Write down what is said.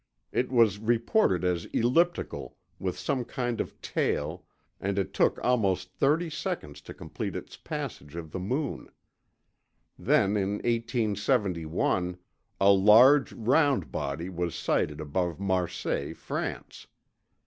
It was reported as elliptical, with some kind of tail, and it took almost thirty seconds to complete its passage of the moon. Then in 1871, a large, round body was sighted above Marseilles, France.